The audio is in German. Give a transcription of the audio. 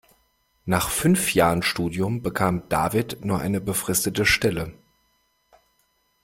Nach fünf Jahren Studium bekam David nur eine befristete Stelle.